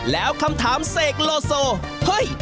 แล้วคำถามเสกโลโซเฮ้ย